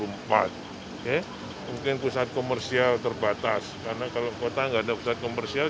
mungkin pusat komersial terbatas karena kalau kota nggak ada pusat komersial